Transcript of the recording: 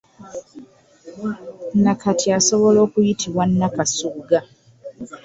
Nakati asobola okuyitibwa Nnakasugga.